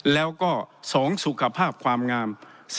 แล้วก็๒สุขภาพความงาม